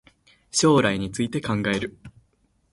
将来について考える